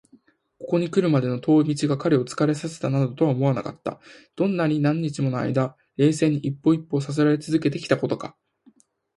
ここにくるまでの遠い道が彼を疲れさせたなどとは思われなかった。どんなに何日ものあいだ、冷静に一歩一歩とさすらいつづけてきたことか！